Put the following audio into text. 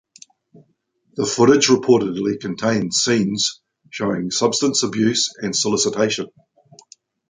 The footage reportedly contained scenes showing substance abuse and solicitation.